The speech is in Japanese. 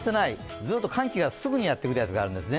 ずっと寒気がすぐにやってくるのがあるんですね。